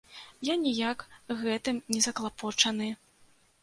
Я ніяк гэтым не заклапочаны.